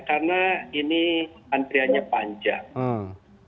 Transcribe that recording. karena ini antriannya panjang